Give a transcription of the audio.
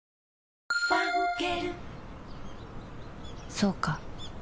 そうか